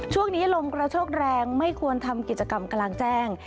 ช่วงนี้ลมกระโชกแรงไม่ควรทำกิจกรรมกลางแจ้ง